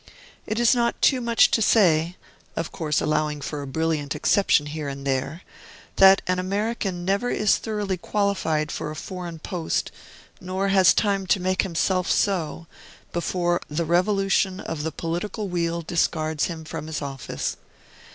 It is not too much to say (of course allowing for a brilliant exception here and there), that an American never is thoroughly qualified for a foreign post, nor has time to make himself so, before the revolution of the political wheel discards him from his office.